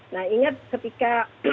nah ingat ketika